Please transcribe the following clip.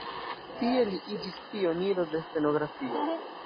Tie li iĝis pioniro de stenografio.